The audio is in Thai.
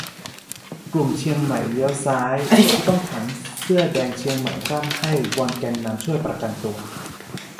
กลุ่มเชียงใหม่เลี้ยวซ้าย : ผู้ต้องขังเสื้อแดงเชียงใหม่ร่ำไห้วอนแกนนำช่วยประกันตัว